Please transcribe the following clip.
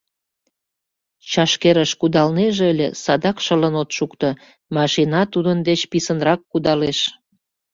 Чашкерыш кудалнеже ыле, садак шылын от шукто, машина тудын деч писынрак кудалеш.